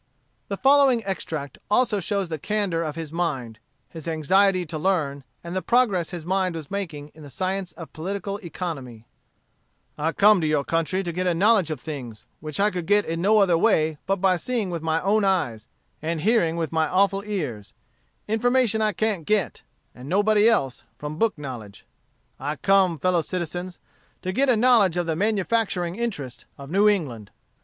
The following extract also shows the candor of his mind, his anxiety to learn, and the progress his mind was making in the science of political economy: "I come to your country to get a knowledge of things, which I could get in no other way but by seeing with my own eyes, and hearing with my awful ears information I can't get, and nobody else, from book knowledge. I come, fellow citizens, to get a knowledge of the manufacturing interest of New England.